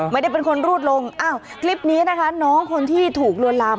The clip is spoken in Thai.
ไม่ได้เป็นคนรูดลงอ้าวคลิปนี้นะคะน้องคนที่ถูกลวนลาม